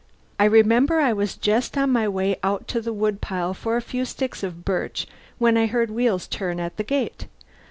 I remember I was just on my way out to the wood pile for a few sticks of birch when I heard wheels turn in at the gate.